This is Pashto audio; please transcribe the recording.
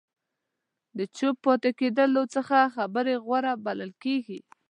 د چوپ پاتې کېدلو څخه خبرې غوره بلل کېږي.